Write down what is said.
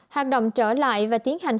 hoạt động trở lại và tiến hành